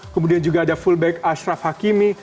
kemudian juga ada fullback ashraf hakimi